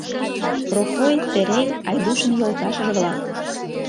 Прокой, Терей — Айдушын йолташыже-влак.